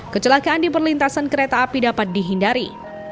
kecelakaan di perlintasan kereta api dapat dihindari